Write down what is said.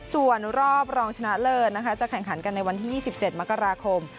ส่วนรอบรองชนะเลิศนะคะจะแข่งขันกันในวันที่๒๗มกราคม